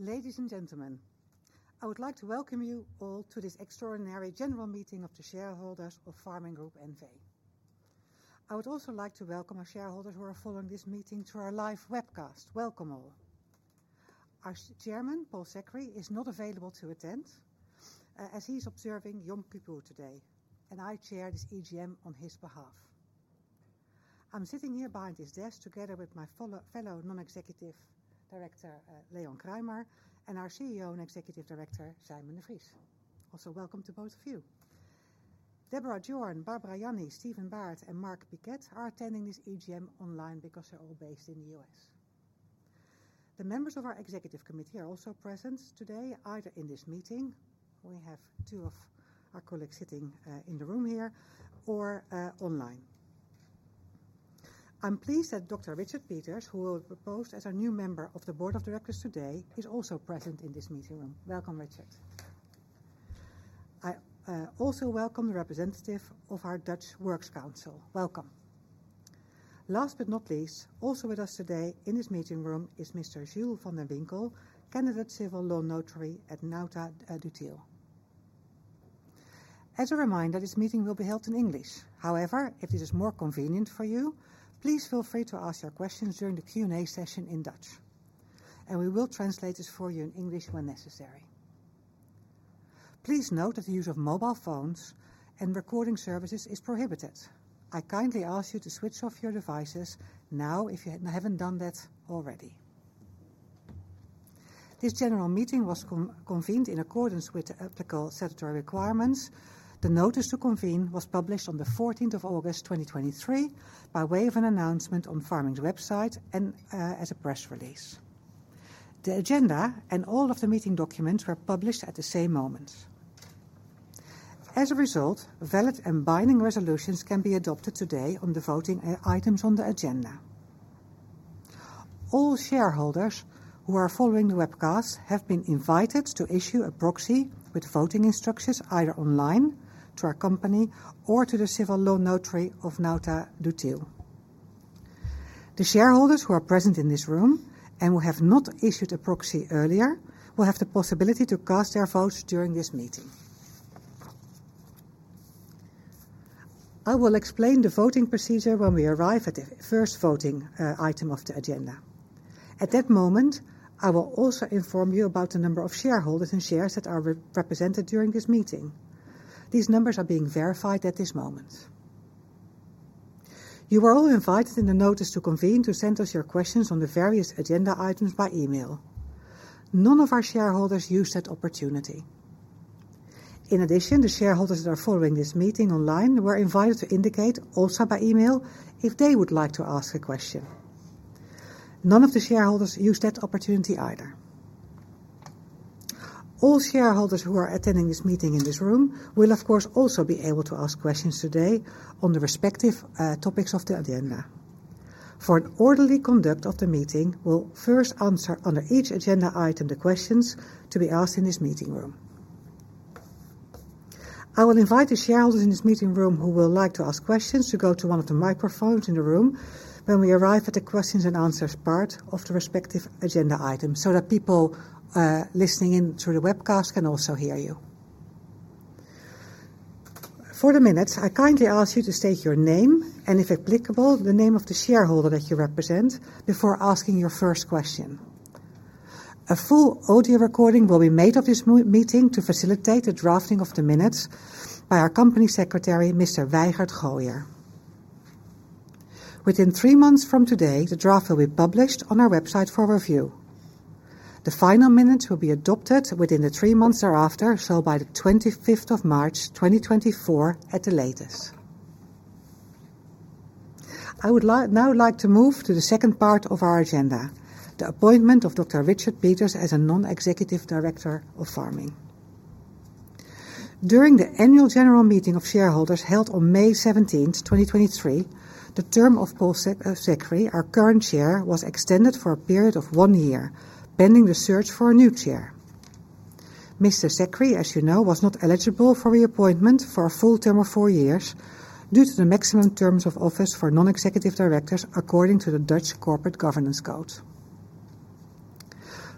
Ladies and gentlemen, I would like to welcome you all to this Extraordinary General Meeting of the shareholders of Pharming Group N.V. I would also like to welcome our shareholders who are following this meeting through our live webcast. Welcome, all. Our chairman, Paul Sekhri, is not available to attend, as he's observing Yom Kippur today, and I chair this AGM on his behalf. I'm sitting here behind this desk together with my fellow Non-Executive Director, Leonard Kruimer, and our CEO and Executive Director, Sijmen de Vries. Also, welcome to both of you. Deborah Jorn, Barbara Yanni, Steven Baert, and Mark Pykett are attending this AGM online because they're all based in the U.S. The members of our Executive Committee are also present today, either in this meeting, we have two of our colleagues sitting in the room here, or online. I'm pleased that Dr. Richard Peters, who will be proposed as a new member of the Board of Directors today, is also present in this meeting room. Welcome, Richard. I also welcome the representative of our Dutch Works Council. Welcome. Last but not least, also with us today in this meeting room is Mr. Jules van de Winckel, candidate civil law notary at NautaDutilh. As a reminder, this meeting will be held in English. However, if it is more convenient for you, please feel free to ask your questions during the Q&A session in Dutch, and we will translate this for you in English when necessary. Please note that the use of mobile phones and recording services is prohibited. I kindly ask you to switch off your devices now if you haven't done that already. This general meeting was convened in accordance with the applicable statutory requirements. The notice to convene was published on the fourteenth of August, 2023, by way of an announcement on Pharming's website and as a press release. The agenda and all of the meeting documents were published at the same moment. As a result, valid and binding resolutions can be adopted today on the voting items on the agenda. All shareholders who are following the webcast have been invited to issue a proxy with voting instructions either online to our company or to the civil law notary of NautaDutilh. The shareholders who are present in this room and who have not issued a proxy earlier will have the possibility to cast their votes during this meeting. I will explain the voting procedure when we arrive at the first voting item of the agenda. At that moment, I will also inform you about the number of shareholders and shares that are represented during this meeting. These numbers are being verified at this moment. You were all invited in the notice to convene to send us your questions on the various agenda items by email. None of our shareholders used that opportunity. In addition, the shareholders that are following this meeting online were invited to indicate, also by email, if they would like to ask a question. None of the shareholders used that opportunity either. All shareholders who are attending this meeting in this room will, of course, also be able to ask questions today on the respective, topics of the agenda. For an orderly conduct of the meeting, we'll first answer under each agenda item, the questions to be asked in this meeting room. I will invite the shareholders in this meeting room who will like to ask questions to go to one of the microphones in the room when we arrive at the questions and answers part of the respective agenda items, so that people, listening in through the webcast can also hear you. For the minutes, I kindly ask you to state your name, and if applicable, the name of the shareholder that you represent, before asking your first question. A full audio recording will be made of this meeting to facilitate the drafting of the minutes by our Company Secretary, Mr. Wygert Gooijer. Within 3 months from today, the draft will be published on our website for review. The final minutes will be adopted within the 3 months thereafter, so by the 25th of March, 2024, at the latest. I would now like to move to the second part of our agenda, the appointment of Dr. Richard Peters as a Non-Executive Director of Pharming. During the Annual General Meeting of shareholders held on May 17, 2023, the term of Paul Sekhri, our current chair, was extended for a period of one year, pending the search for a new chair. Mr. Sekhri, as you know, was not eligible for reappointment for a full term of four years due to the maximum terms of office for Non-Executive Directors, according to the Dutch Corporate Governance Code.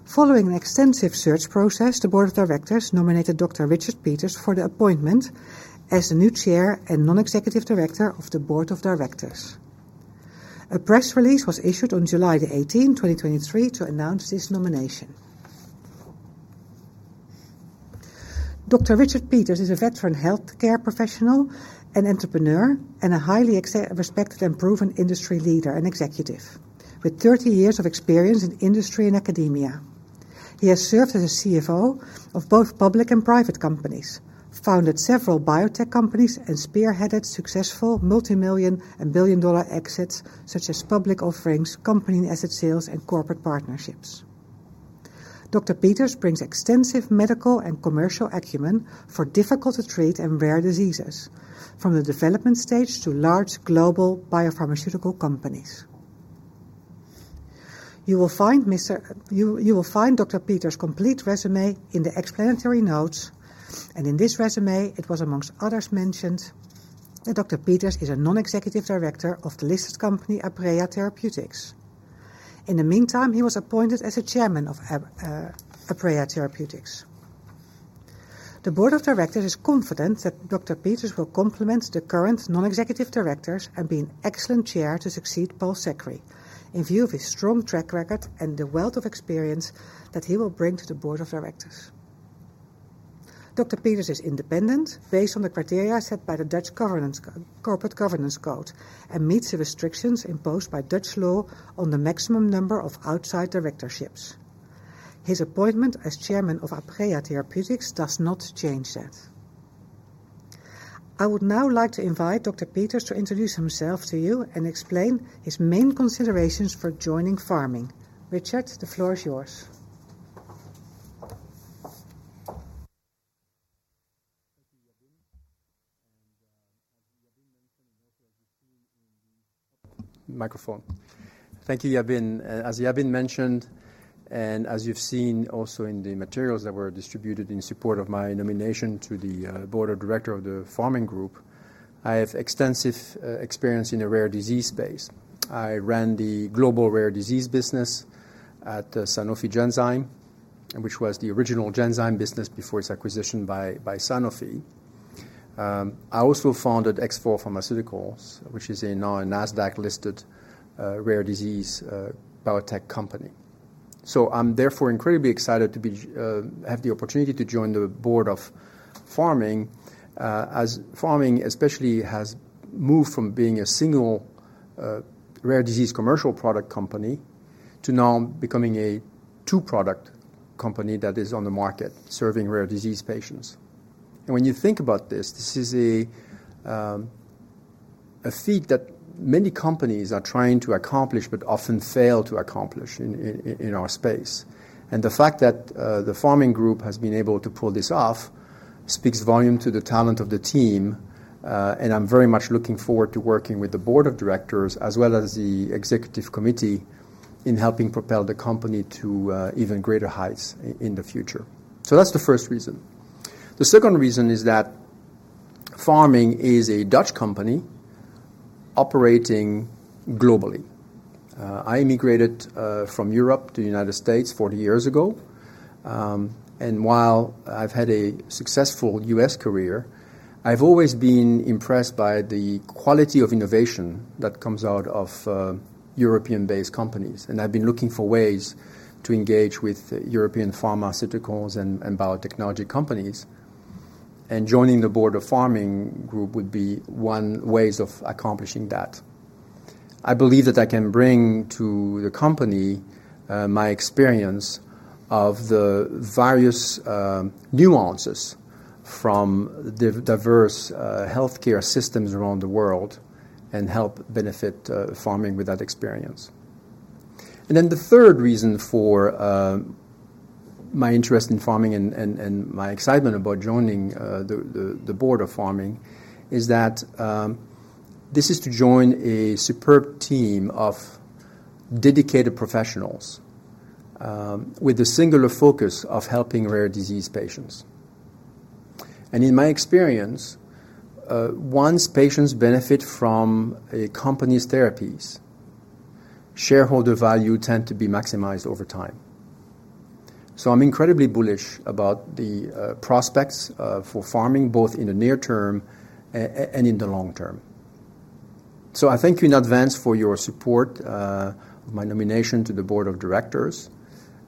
Following an extensive search process, the Board of Directors nominated Dr. Richard Peters for the appointment as the new chair and Non-Executive Director of the Board of Directors. A press release was issued on July 18, 2023, to announce this nomination. Dr. Richard Peters is a veteran healthcare professional and entrepreneur, and a highly respected and proven industry leader and executive, with 30 years of experience in industry and academia. He has served as a CFO of both public and private companies, founded several biotech companies, and spearheaded successful multimillion and billion-dollar exits, such as public offerings, company asset sales, and corporate partnerships. Dr. Peters brings extensive medical and commercial acumen for difficult-to-treat and rare diseases, from the development stage to large global biopharmaceutical companies. You will find Dr. Peters' complete resume in the explanatory notes, and in this resume, it was, amongst others, mentioned and Dr. Peters is a non-executive director of the listed company, Aprea Therapeutics. In the meantime, he was appointed as the chairman of Aprea Therapeutics. The board of directors is confident that Dr. Peters will complement the current non-executive directors and be an excellent chair to succeed Paul Sekhri, in view of his strong track record and the wealth of experience that he will bring to the Board of Directors. Dr. Peters is independent, based on the criteria set by the Dutch Corporate Governance Code, and meets the restrictions imposed by Dutch law on the maximum number of outside directorships. His appointment as Chairman of Aprea Therapeutics does not change that. I would now like to invite Dr. Peters to introduce himself to you and explain his main considerations for joining Pharming. Richard, the floor is yours. Thank you, Jabine. As Jabine mentioned, and as you've seen also in the materials that were distributed in support of my nomination to the board of directors of Pharming Group, I have extensive experience in the rare disease space. I ran the global rare disease business at Sanofi Genzyme, which was the original Genzyme business before its acquisition by Sanofi. I also founded X4 Pharmaceuticals, which is a now NASDAQ-listed rare disease biotech company. I'm therefore incredibly excited to have the opportunity to join the board of Pharming, as Pharming especially has moved from being a single rare disease commercial product company to now becoming a two-product company that is on the market, serving rare disease patients. When you think about this, this is a feat that many companies are trying to accomplish but often fail to accomplish in our space. The fact that the Pharming Group has been able to pull this off speaks volume to the talent of the team, and I'm very much looking forward to working with the board of directors, as well as the executive committee, in helping propel the company to even greater heights in the future. So that's the first reason. The second reason is that Pharming is a Dutch company operating globally. I immigrated from Europe to the United States 40 years ago, and while I've had a successful U.S. career, I've always been impressed by the quality of innovation that comes out of European-based companies. I've been looking for ways to engage with European pharmaceuticals and biotechnology companies, and joining the board of Pharming Group would be one way of accomplishing that. I believe that I can bring to the company my experience of the various nuances from diverse healthcare systems around the world and help benefit Pharming with that experience. The third reason for my interest in Pharming and my excitement about joining the board of Pharming is that this is to join a superb team of dedicated professionals with a singular focus of helping rare disease patients. In my experience, once patients benefit from a company's therapies, shareholder value tend to be maximized over time. So I'm incredibly bullish about the prospects for Pharming, both in the near term and in the long term. So I thank you in advance for your support, my nomination to the board of directors.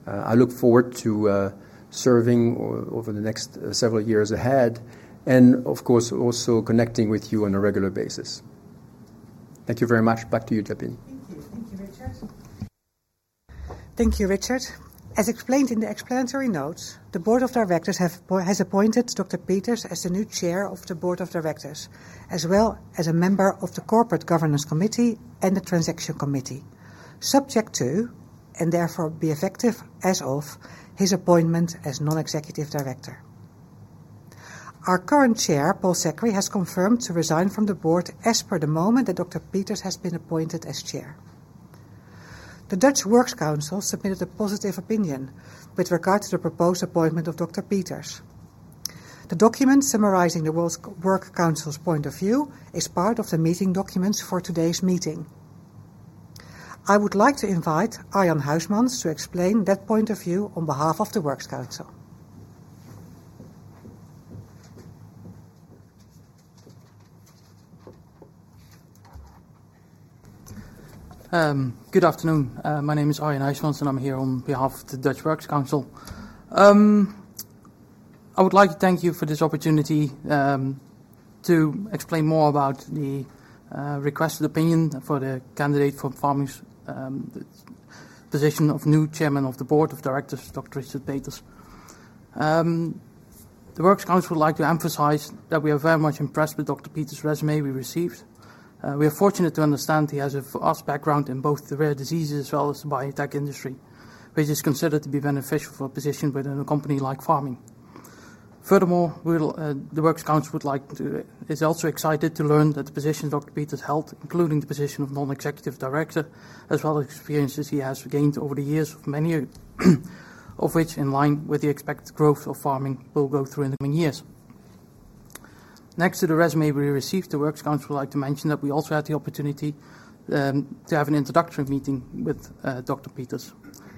I look forward to serving over the next several years ahead, and of course, also connecting with you on a regular basis. Thank you very much. Back to you, Jabine. Thank you. Thank you, Richard. Thank you, Richard. As explained in the explanatory notes, the board of directors has appointed Dr. Peters as the new chair of the board of directors, as well as a member of the Corporate Governance Committee and the Transaction Committee, subject to, and therefore, be effective as of his appointment as non-executive director. Our current chair, Paul Sekhri, has confirmed to resign from the board as per the moment that Dr. Peters has been appointed as chair. The Dutch Works Council submitted a positive opinion with regard to the proposed appointment of Dr. Peters. The document summarizing the Works Council's point of view is part of the meeting documents for today's meeting. I would like to invite Arjan Huijsmans to explain that point of view on behalf of the Works Council. Good afternoon. My name is Arjan Huijsmans, and I'm here on behalf of the Dutch Works Council. I would like to thank you for this opportunity to explain more about the requested opinion for the candidate for Pharming's position of new Chairman of the Board of Directors, Dr. Richard Peters. The Works Council would like to emphasize that we are very much impressed with Dr. Peters' résumé we received. We are fortunate to understand he has a vast background in both the rare diseases as well as the biotech industry, which is considered to be beneficial for a position within a company like Pharming. Furthermore, we'll, the Works Council would like to... Is also excited to learn that the positions Dr. Peters held, including the position of Non-Executive Director, as well as experiences he has gained over the years of many, ...of which, in line with the expected growth of Pharming, will go through in the coming years. Next to the resume we received, the Works Council like to mention that we also had the opportunity to have an introductory meeting with Dr. Peters.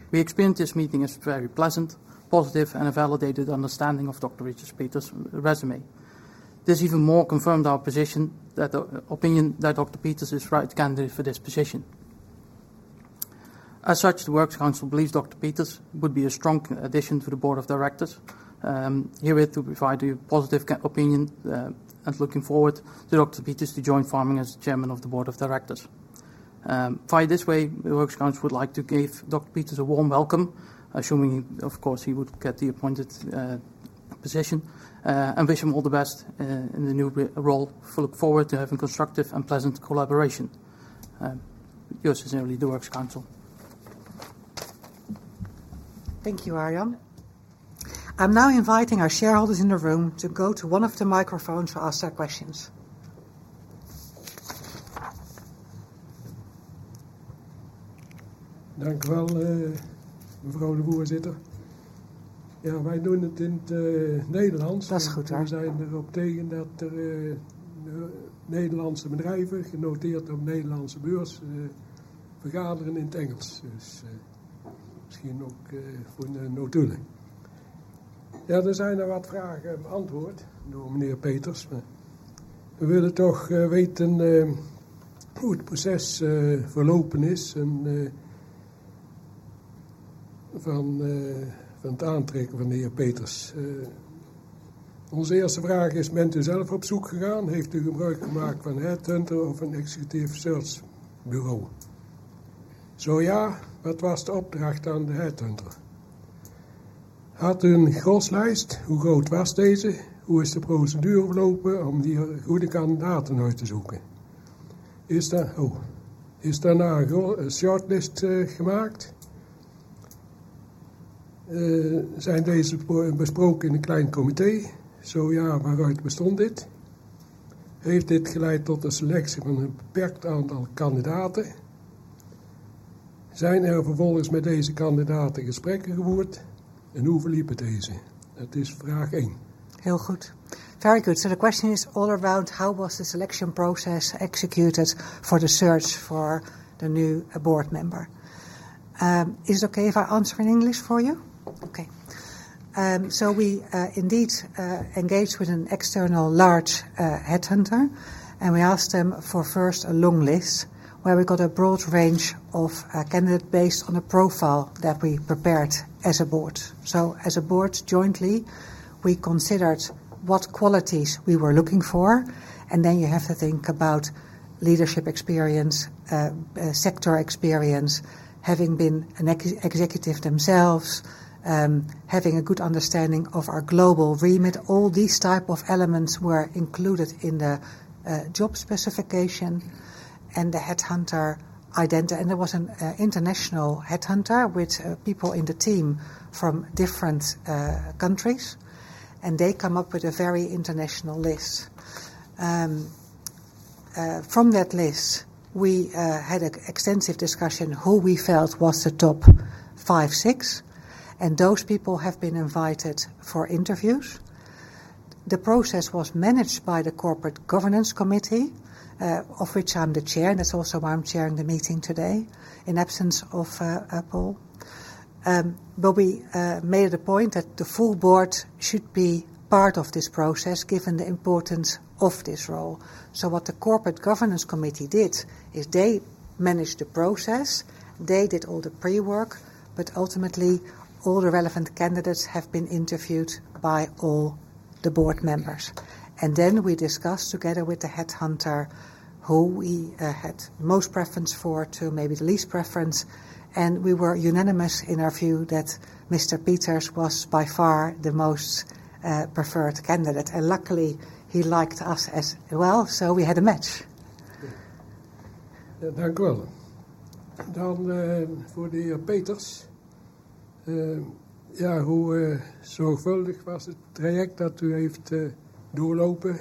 We experienced this meeting as very pleasant, positive, and a validated understanding of Dr. Richard Peters' resume. This even more confirmed our position, that the opinion that Dr. Peters is right candidate for this position. As such, the Works Council believes Dr. Peters would be a strong addition to the Board of Directors. Herewith, we provide a positive c- opinion, and looking forward to Dr. Peters to join Pharming as Chairman of the Board of Directors. By this way, the Works Council would like to give Dr. Peters, a warm welcome, assuming, of course, he would get the appointed position, and wish him all the best in the new role. We look forward to having constructive and pleasant collaboration. Yours sincerely, the Works Council. Thank you, Arjan. I'm now inviting our shareholders in the room to go to one of the microphones to ask their questions. Thank you, well, for all the Voorzitter. Yeah, why don't it in the Netherlands? That's good, yeah. We hebben het op tegen dat de Nederlandse bedrijven genoteerd op de Nederlandse beurs wij vergaderen in het Engels. Dus misschien ook voor de notulen. Ja, er zijn wat vragen te beantwoord door meneer Peters. We willen toch weten hoe het proces verlopen is en van het aantrekken van de heer Peters. Onze eerste vraag is: bent u zelf op zoek gegaan? Heeft u gebruik gemaakt van headhunter of een executive search bureau? Zo ja, wat was de opdracht aan de headhunter? Had u een groslijst? Hoe groot was deze? Hoe is de procedure verlopen om die goede kandidaten uit te zoeken? Is daar, oh, is daarna een shortlist gemaakt? Zijn deze besproken in een klein comité? Zo ja, waaruit bestond dit? Heeft dit geleid tot de selectie van een beperkt aantal kandidaten? Zijn er vervolgens met deze kandidaten gesprekken gevoerd en hoe verliepen deze? Dat is vraag één. Heel goed. Very good. So the question is all around: how was the selection process executed for the search for the new board member? Is it okay if I answer in English for you? Okay. So we indeed engaged with an external large headhunter, and we asked them for first a long list, where we got a broad range of candidate based on a profile that we prepared as a board. So as a board, jointly, we considered what qualities we were looking for, and then you have to think about leadership experience, sector experience, having been an executive themselves, having a good understanding of our global remit. All these type of elements were included in the job specification and the headhunter identi... It was an international headhunter, with people in the team from different countries, and they come up with a very international list. From that list, we had an extensive discussion who we felt was the top five, six, and those people have been invited for interviews. The process was managed by the Corporate Governance Committee, of which I'm the chair, and that's also why I'm chairing the meeting today in absence of Paul. We made it a point that the full board should be part of this process, given the importance of this role. What the Corporate Governance Committee did is they managed the process. They did all the pre-work, but ultimately, all the relevant candidates have been interviewed by all the board members. Then we discussed together with the headhunter, who we had most preference for to maybe the least preference, and we were unanimous in our view that Mr. Peters was by far the most preferred candidate. Luckily, he liked us as well, so we had a match. Yeah, dank u wel. For Mr. Peters, how carefully was the process that you went through? How did you experience it? How did the conversations with the RVC and the RvB go? You have already answered some of this. Did you speak with the accountant? That is about what remains for us. So the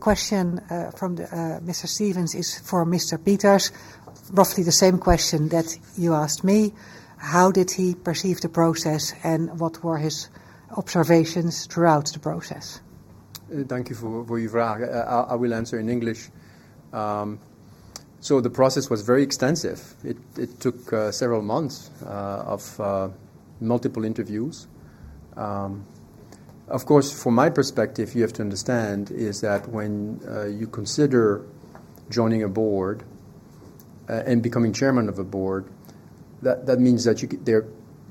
question from Mr. Stevense is for Mr. Peters, roughly the same question that you asked me: How did he perceive the process, and what were his observations throughout the process? Thank you for your vraag. I will answer in English. So the process was very extensive. It took several months of multiple interviews. Of course, from my perspective, you have to understand is that when you consider joining a board and becoming chairman of a board, that means that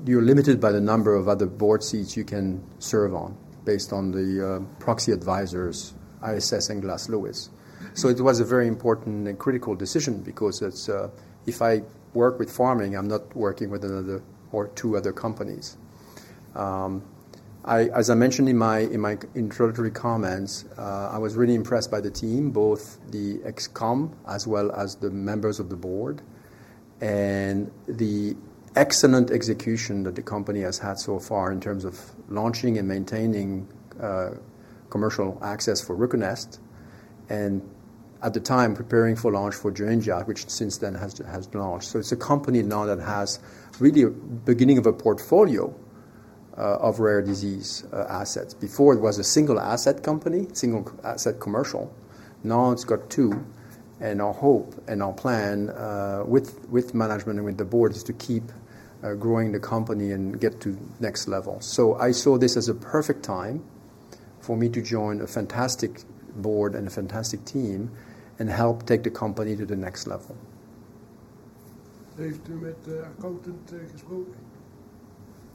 you're limited by the number of other board seats you can serve on, based on the proxy advisors, ISS and Glass Lewis. So it was a very important and critical decision because it's if I work with Pharming, I'm not working with another or two other companies.... I, as I mentioned in my, in my introductory comments, I was really impressed by the team, both the ExCom, as well as the members of the board, and the excellent execution that the company has had so far in terms of launching and maintaining, commercial access for RUCONEST, and at the time, preparing for launch for Joenja, which since then has been launched. So it's a company now that has really a beginning of a portfolio, of rare disease, assets. Before, it was a single-asset company, single-asset commercial. Now it's got two, and our hope and our plan, with management and with the board, is to keep growing the company and get to next level. So I saw this as a perfect time for me to join a fantastic board and a fantastic team and help take the company to the next level. Heeft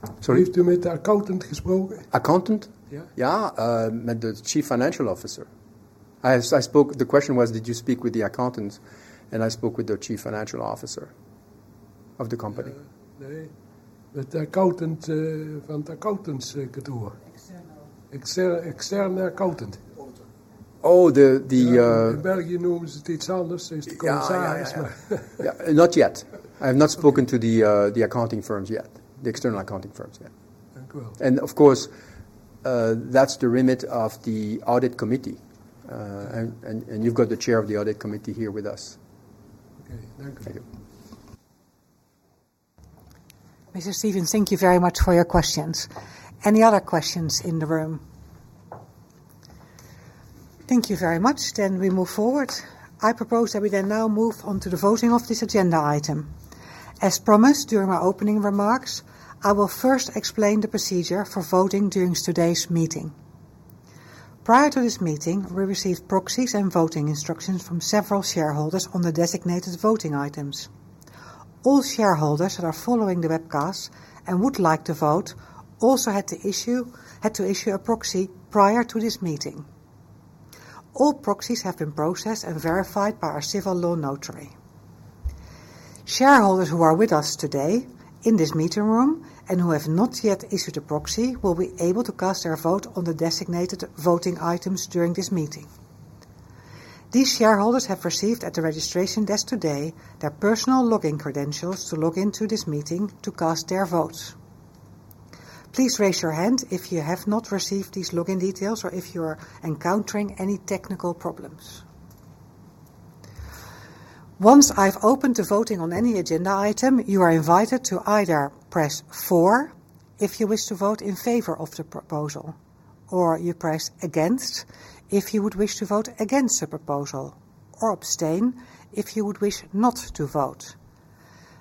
u met de accountant gesproken? Sorry? Heeft u met de accountant gesproken? Accountant? Yeah. Yeah, met the Chief Financial Officer. I spoke. The question was, did you speak with the accountant? I spoke with the Chief Financial Officer of the company. Nee. With the accountant, van de accountants kantoor. Externo. Externe accountant. Oh, the- In België noemen ze het iets anders, dus ik... Yeah. Yeah, yeah. Not yet. I have not spoken to the, the accounting firms yet, the external accounting firms yet. Well- Of course, that's the remit of the Audit Committee, and you've got the chair of the Audit Committee here with us. Okay, dank u wel. Mr. Stevense, thank you very much for your questions. Any other questions in the room? Thank you very much, then we move forward. I propose that we then now move on to the voting of this agenda item. As promised, during my opening remarks, I will first explain the procedure for voting during today's meeting. Prior to this meeting, we received proxies and voting instructions from several shareholders on the designated voting items. All shareholders that are following the webcast and would like to vote, also had to issue, had to issue a proxy prior to this meeting. All proxies have been processed and verified by our civil law notary. Shareholders who are with us today in this meeting room and who have not yet issued a proxy, will be able to cast their vote on the designated voting items during this meeting. These shareholders have received at the registration desk today, their personal login credentials to log into this meeting to cast their votes. Please raise your hand if you have not received these login details or if you are encountering any technical problems. Once I've opened the voting on any agenda item, you are invited to either press four, if you wish to vote in favor of the proposal, or you press against, if you would wish to vote against the proposal, or abstain, if you would wish not to vote.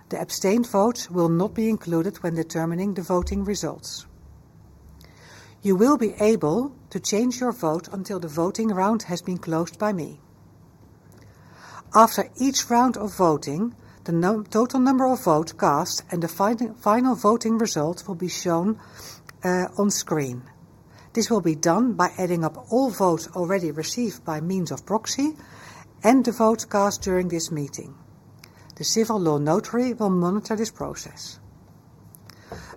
The abstained vote will not be included when determining the voting results. You will be able to change your vote until the voting round has been closed by me. After each round of voting, the total number of votes cast and the final voting results will be shown on screen. This will be done by adding up all votes already received by means of proxy and the votes cast during this meeting. The civil law notary will monitor this process.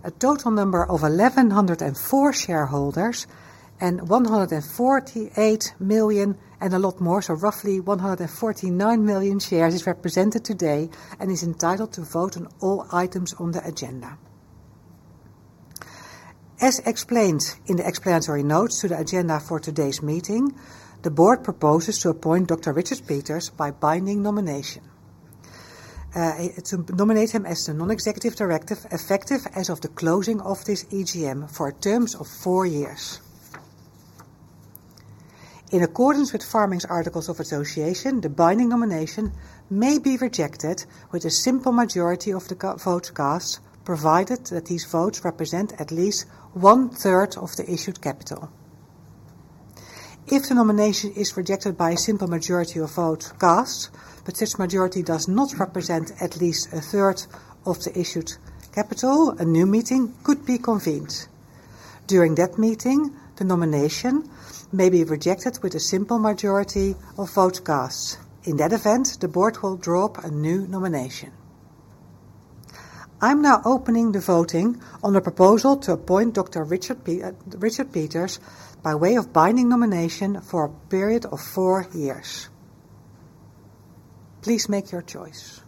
A total number of 1,104 shareholders and 148 million and a lot more, so roughly 149 million shares is represented today and is entitled to vote on all items on the agenda. As explained in the explanatory notes to the agenda for today's meeting, the board proposes to appoint Dr. Richard Peters by binding nomination, to nominate him as a non-executive director, effective as of the closing of this EGM for terms of four years. In accordance with Pharming's articles of association, the binding nomination may be rejected with a simple majority of the co- votes cast, provided that these votes represent at least one third of the issued capital. If the nomination is rejected by a simple majority of votes cast, but this majority does not represent at least a third of the issued capital, a new meeting could be convened. During that meeting, the nomination may be rejected with a simple majority of votes cast. In that event, the board will draw up a new nomination. I'm now opening the voting on the proposal to appoint Dr. Richard Peters, by way of binding nomination for a period of four years. Please make your choice.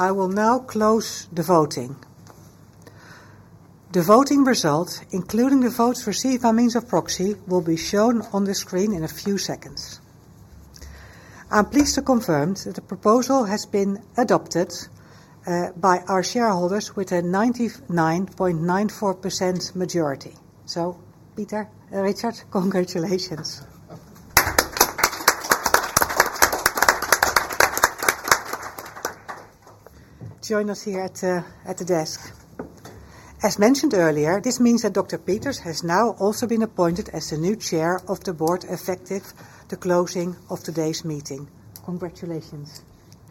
I will now close the voting. The voting results, including the votes received by means of proxy, will be shown on the screen in a few seconds. I'm pleased to confirm that the proposal has been adopted by our shareholders with a 99.94% majority. So Peter, Richard, congratulations. ... Join us here at the desk. As mentioned earlier, this means that Dr. Peters has now also been appointed as the new chair of the board, effective the closing of today's meeting. Congratulations.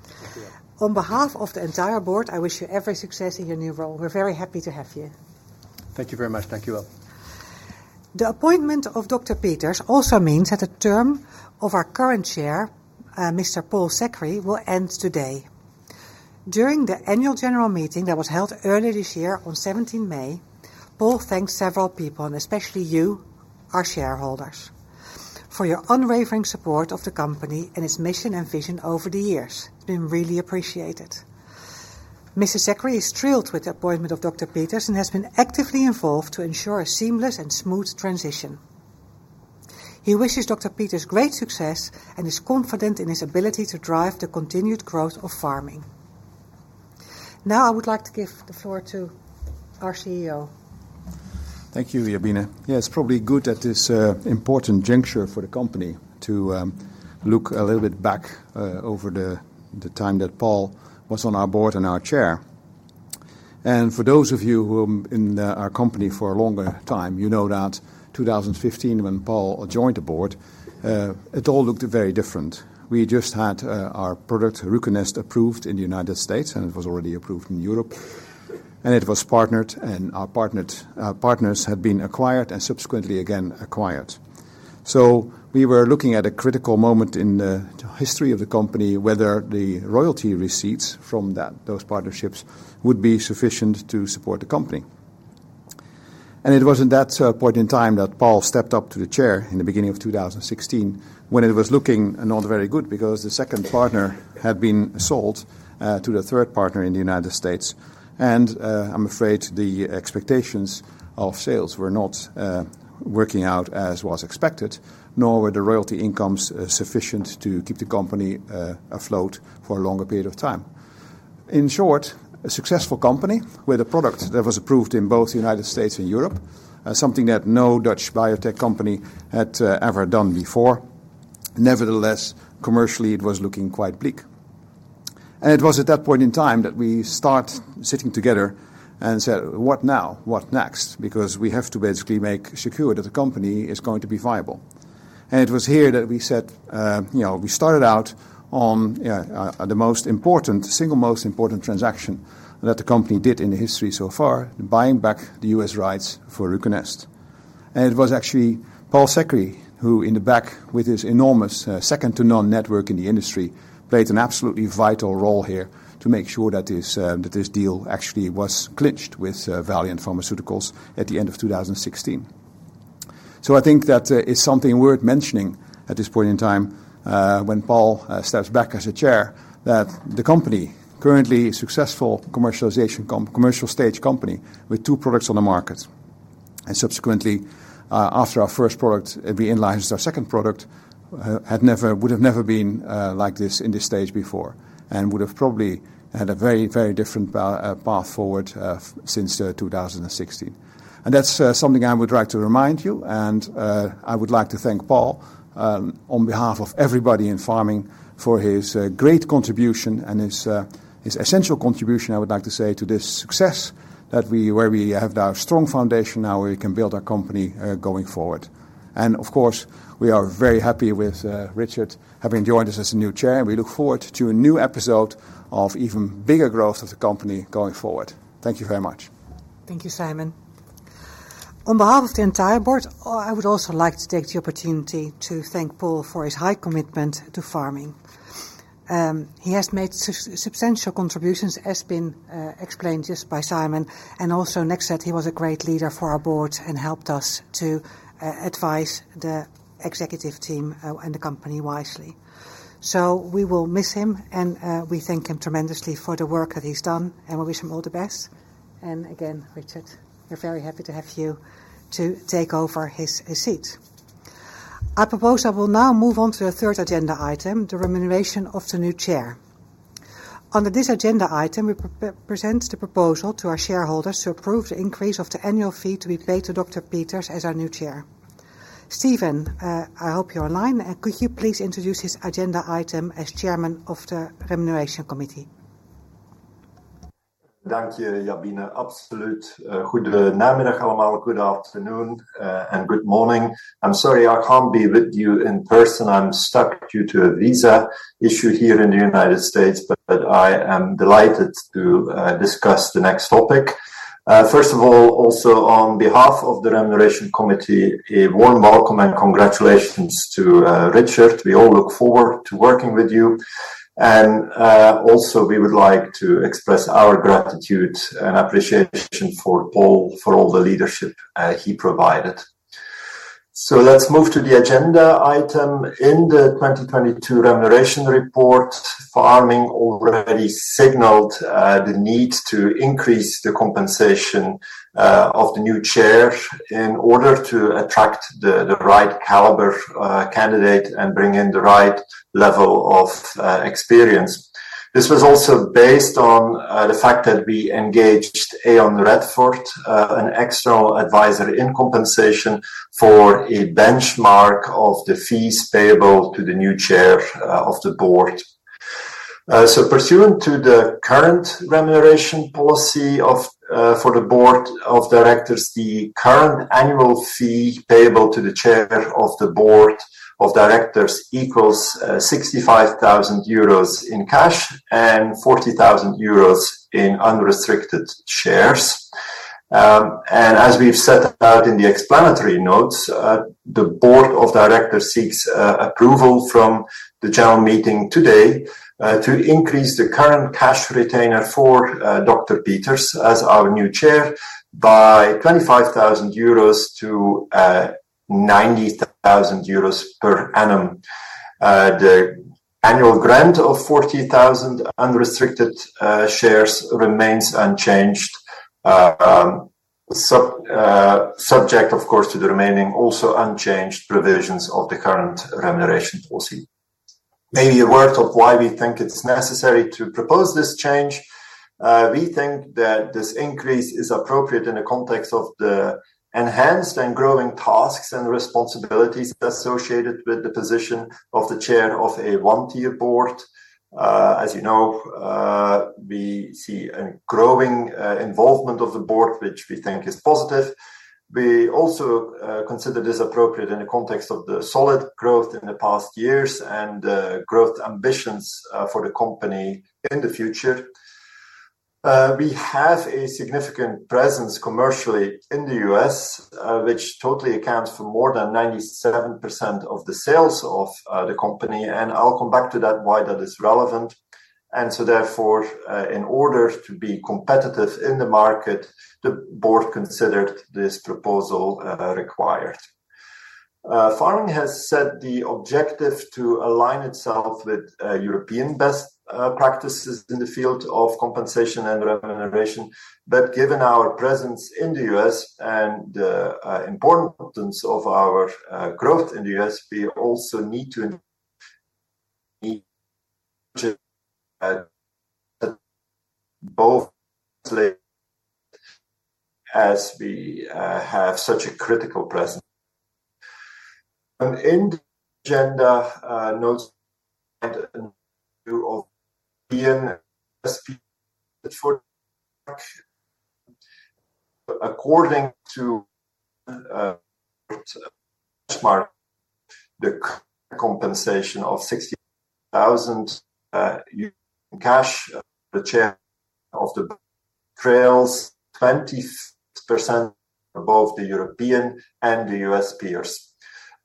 Thank you. On behalf of the entire board, I wish you every success in your new role. We're very happy to have you. Thank you very much. Thank you all. The appointment of Dr. Peters also means that the term of our current chair, Mr. Paul Sekhri, will end today. During the Annual General Meeting that was held earlier this year on seventeenth May, Paul thanked several people, and especially you, our shareholders, for your unwavering support of the company and its mission and vision over the years. It's been really appreciated. Mr. Sekhri is thrilled with the appointment of Dr. Peters and has been actively involved to ensure a seamless and smooth transition. He wishes Dr. Peters great success and is confident in his ability to drive the continued growth of Pharming. Now, I would like to give the floor to our CEO. Thank you, Jabine. Yeah, it's probably good at this important juncture for the company to look a little bit back over the time that Paul was on our board and our chair. And for those of you who in our company for a longer time, you know that 2015, when Paul joined the board, it all looked very different. We just had our product, RUCONEST, approved in the United States, and it was already approved in Europe, and it was partnered, and our partnered partners had been acquired and subsequently again, acquired. So we were looking at a critical moment in the history of the company, whether the royalty receipts from that, those partnerships would be sufficient to support the company. It was at that point in time that Paul stepped up to the chair in the beginning of 2016, when it was looking not very good because the second partner had been sold to the third partner in the United States. I'm afraid the expectations of sales were not working out as was expected, nor were the royalty incomes sufficient to keep the company afloat for a longer period of time. In short, a successful company with a product that was approved in both the United States and Europe, something that no Dutch biotech company had ever done before. Nevertheless, commercially, it was looking quite bleak. It was at that point in time that we start sitting together and said, "What now? What next?" Because we have to basically make sure that the company is going to be viable. And it was here that we said, you know, we started out on the single most important transaction that the company did in the history so far, buying back the US rights for RUCONEST. And it was actually Paul Sekhri, who in the back with his enormous, second-to-none network in the industry, played an absolutely vital role here to make sure that this deal actually was clinched with Valeant Pharmaceuticals at the end of 2016. So I think that, it's something worth mentioning at this point in time, when Paul steps back as a chair, that the company, currently successful commercial stage company with two products on the market, and subsequently, after our first product, we launched our second product, had never would have never been like this in this stage before and would have probably had a very, very different path forward, since 2016. And that's something I would like to remind you, and I would like to thank Paul, on behalf of everybody in Pharming, for his great contribution and his essential contribution, I would like to say, to this success, that we where we have the strong foundation now, where we can build our company going forward. Of course, we are very happy with Richard having joined us as a new chair, and we look forward to a new episode of even bigger growth of the company going forward. Thank you very much. Thank you, Sijmen. On behalf of the entire board, I would also like to take the opportunity to thank Paul for his high commitment to Pharming. He has made substantial contributions, as has been explained just by Sijmen, and also that he was a great leader for our board and helped us to advise the executive team, and the company wisely. So we will miss him, and we thank him tremendously for the work that he's done, and we wish him all the best. And again, Richard, we're very happy to have you to take over his seat. I propose I will now move on to the third agenda item, the remuneration of the new chair. Under this agenda item, we present the proposal to our shareholders to approve the increase of the annual fee to be paid to Dr. Peters as our new chair. Steven, I hope you're online. Could you please introduce this agenda item as chairman of the Remuneration Committee? Thank you, Jabine. Absolutely. Good afternoon, allemaal. Good afternoon, and good morning. I'm sorry I can't be with you in person. I'm stuck due to a visa issue here in the United States, but I am delighted to discuss the next topic. First of all, also on behalf of the Remuneration Committee, a warm welcome and congratulations to Richard. We all look forward to working with you. And also, we would like to express our gratitude and appreciation for Paul, for all the leadership he provided. So let's move to the agenda item. In the 2022 remuneration report, Pharming already signaled the need to increase the compensation of the new chair in order to attract the right caliber candidate and bring in the right level of experience. This was also based on the fact that we engaged Aon Radford, an external advisor in compensation, for a benchmark of the fees payable to the new chair of the board. Pursuant to the current remuneration policy for the board of directors, the current annual fee payable to the chair of the board of directors equals 65,000 euros in cash and 40,000 euros in unrestricted shares. As we've set out in the explanatory notes, the board of directors seeks approval from the general meeting today to increase the current cash retainer for Dr. Peters as our new chair by 25,000 euros - 90,000 euros per annum. The annual grant of 40,000 unrestricted shares remains unchanged, subject of course to the remaining also unchanged provisions of the current remuneration policy. Maybe a word of why we think it's necessary to propose this change. We think that this increase is appropriate in the context of the enhanced and growing tasks and responsibilities associated with the position of the chair of a one-tier board. As you know, we see a growing involvement of the board, which we think is positive. We also consider this appropriate in the context of the solid growth in the past years and growth ambitions for the company in the future. We have a significant presence commercially in the U.S., which totally accounts for more than 97% of the sales of the company, and I'll come back to that, why that is relevant. Therefore, in order to be competitive in the market, the board considered this proposal required. Pharming has set the objective to align itself with European best practices in the field of compensation and remuneration. Given our presence in the U.S. and the importance of our growth in the U.S., we also need to, both as we have such a critical presence. In the agenda notes of being for according to the compensation of 60,000 cash, the chair of the trails, 20% above the European and the U.S. peers.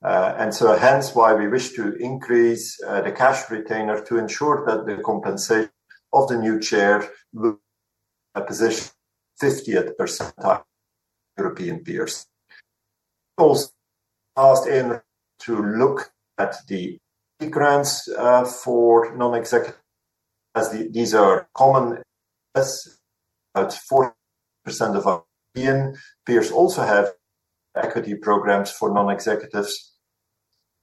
And so hence why we wish to increase the cash retainer to ensure that the compensation of the new chair looks at a position 50th percentile European peers. Also, asked him to look at the grants for non-executive, as these are common, as about 40% of our European peers also have equity programs for non-executives.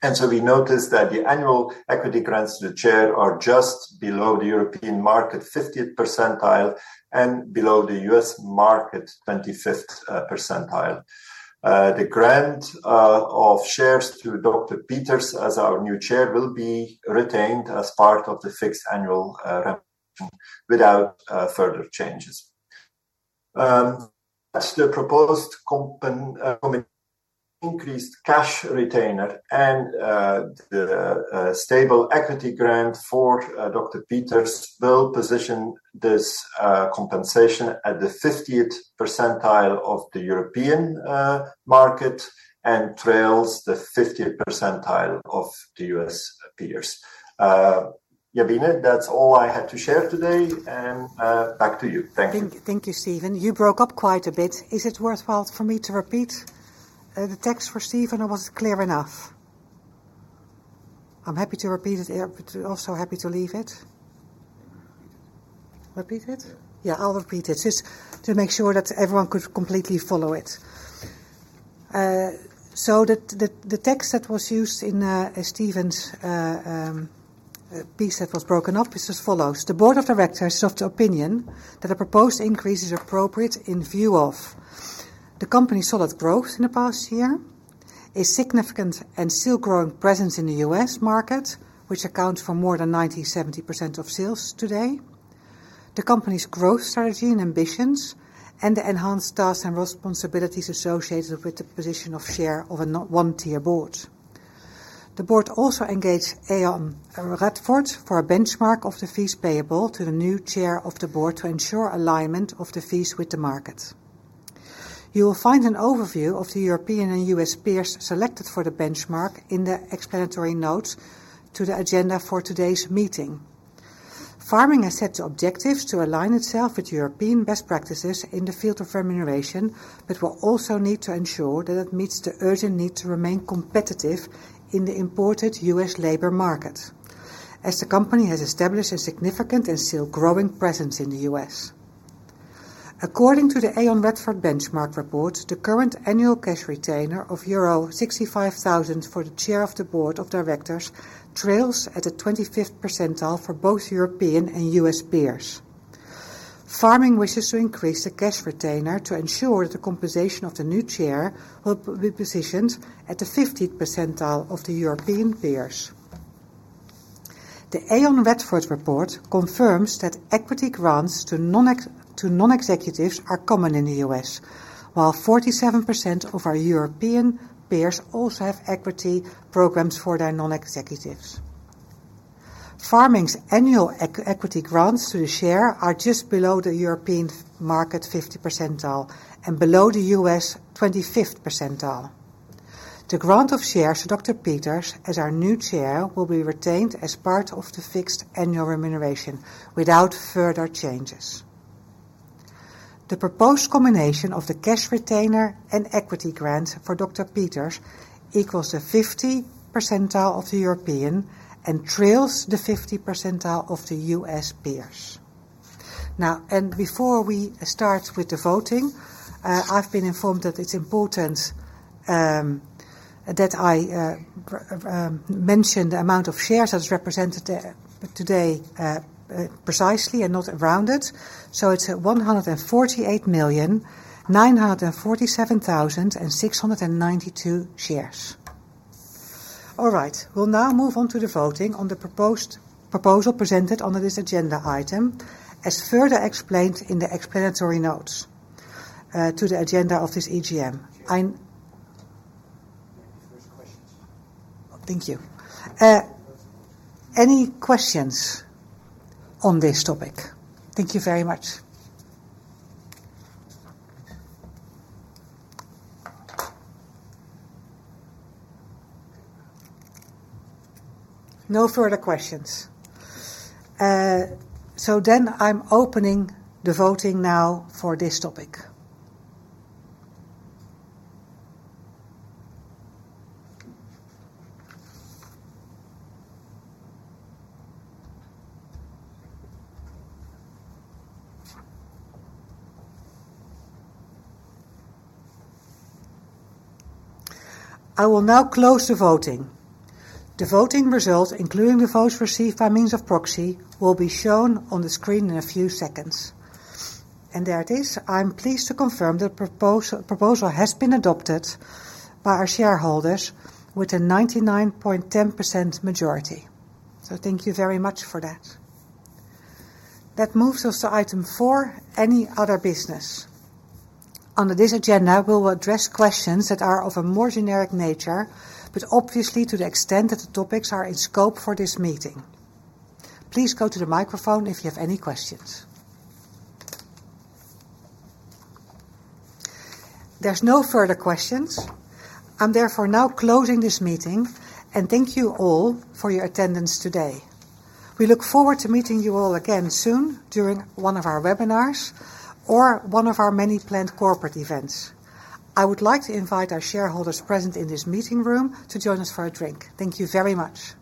And so we noticed that the annual equity grants to the chair are just below the European market, 50th percentile, and below the U.S. market, 25th percentile. The grant of shares to Dr. Peters as our new chair will be retained as part of the fixed annual without further changes. As the proposed compensation increased cash retainer and the stable equity grant for Dr. Peters will position this compensation at the fiftieth percentile of the European market, and trails the fiftieth percentile of the U.S. peers. Jabine, that's all I had to share today, and back to you. Thank you. Thank you, Steven. You broke up quite a bit. Is it worthwhile for me to repeat the text for Steven, or was it clear enough? I'm happy to repeat it, but also happy to leave it. Repeat it? Yeah. Yeah, I'll repeat it, just to make sure that everyone could completely follow it. The text that was used in Steven's piece that was broken off is as follows: The Board of Directors is of the opinion that a proposed increase is appropriate in view of the company's solid growth in the past year, a significant and still growing presence in the U.S. market, which accounts for more than 97% of sales today, the company's growth strategy and ambitions, and the enhanced tasks and responsibilities associated with the position of chair of a one-tier board. The board also engaged Aon Radford for a benchmark of the fees payable to the new chair of the board to ensure alignment of the fees with the market. You will find an overview of the European and U.S. peers selected for the benchmark in the explanatory notes to the agenda for today's meeting. Pharming has set objectives to align itself with European best practices in the field of remuneration, but will also need to ensure that it meets the urgent need to remain competitive in the important U.S. labor market, as the company has established a significant and still growing presence in the U.S. According to the Aon Radford benchmark report, the current annual cash retainer of euro 65,000 for the Chair of the Board of Directors trails at the 25th percentile for both European and U.S. peers. Pharming wishes to increase the cash retainer to ensure that the compensation of the new Chair will be positioned at the 50th percentile of the European peers. The Aon Radford report confirms that equity grants to non-executives are common in the U.S., while 47% of our European peers also have equity programs for their non-executives. Pharming's annual equity grants to the share are just below the European market 50th percentile and below the U.S. 25th percentile. The grant of shares to Dr. Peters, as our new chair, will be retained as part of the fixed annual remuneration without further changes. The proposed combination of the cash retainer and equity grant for Dr. Peters equals the 50th percentile of the European and trails the 50th percentile of the U.S. peers. Now, and before we start with the voting, I've been informed that it's important, that I mention the amount of shares as represented there today, precisely and not rounded, so it's 148,947,692 shares. All right. We'll now move on to the voting on the proposed proposal presented under this agenda item, as further explained in the explanatory notes, to the agenda of this EGM. I- Thank you. Any questions on this topic? Thank you very much. No further questions. I am opening the voting now for this topic. I will now close the voting. The voting results, including the votes received by means of proxy, will be shown on the screen in a few seconds. There it is. I am pleased to confirm the proposal has been adopted by our shareholders with a 99.10% majority. Thank you very much for that. That moves us to item four, any other business. Under this agenda, we will address questions that are of a more generic nature, but obviously to the extent that the topics are in scope for this meeting. Please go to the microphone if you have any questions. There are no further questions. I am therefore now closing this meeting, and thank you all for your attendance today. We look forward to meeting you all again soon during one of our webinars or one of our many planned corporate events. I would like to invite our shareholders present in this meeting room to join us for a drink. Thank you very much.